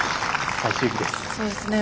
最終日です。